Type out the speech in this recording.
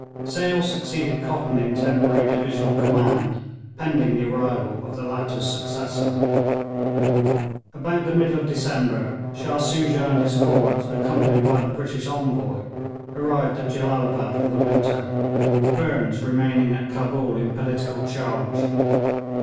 Sale succeeded Cotton in temporary divisional command pending the arrival of the latter's successor. About the middle of December Shah Soojah and his Court, accompanied by the British Envoy, arrived at Jellalabad for the winter, Burnes remaining at Cabul in political charge.